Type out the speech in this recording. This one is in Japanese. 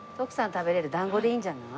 食べれる団子でいいんじゃない？